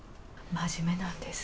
真面目なんです。